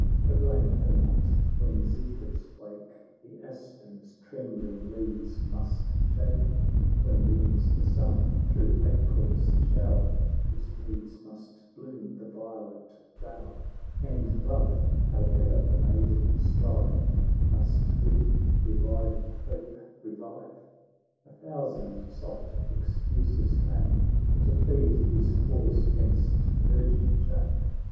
— when zephyrs wake, The aspen's trembling leaves must shake ; When beams the sun through April's shower, It needs must bloom, the violet flower ; And Love, howe'er the maiden strive, Must with reviving hope revive ! A thousand soft excuses came, To plead his cause 'gainst virgin shame.